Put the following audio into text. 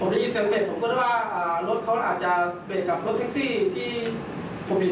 ถ้าเป็นประชาชนด้วยกันอะไรอย่างนี้